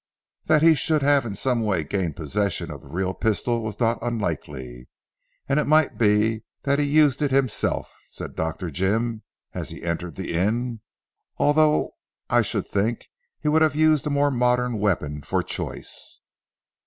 That he should have in some way gained possession of the real pistol was not unlikely. "And it might be that he used it himself," said Dr. Jim as he entered the inn, "although I should think he would have used a more modern weapon for choice?"